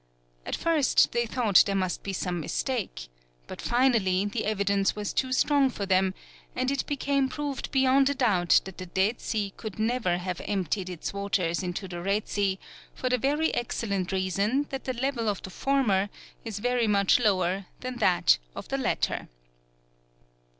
At first they thought there must be some mistake, but finally, the evidence was too strong for them, and it became proved beyond a doubt that the Dead Sea could never have emptied its waters into the Red Sea for the very excellent reason that the level of the former is very much lower than that of the latter.